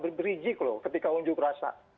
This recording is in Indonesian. terus berdiri jik loh ketika unjuk rasa